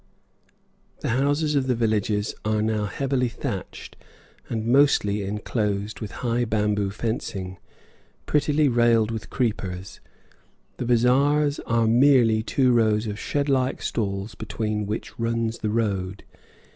The houses of the villages are now heavily thatched, and mostly enclosed with high bamboo fencing, prettily trailed with creepers; the bazaars are merely two rows of shed like stalls between which runs the road.